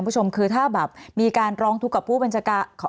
คุณผู้ชมคือถ้าแบบมีการร้องทุกข์กับผู้บัญชาการ